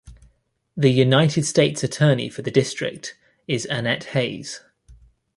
The United States Attorney for the district is Annette Hayes.